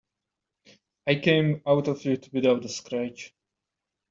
I came out of it without a scratch.